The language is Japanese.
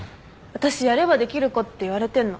私やればできる子って言われてんの。